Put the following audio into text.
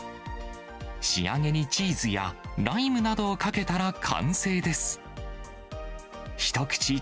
仕上げにチーズやライムなどをかけたら完成です。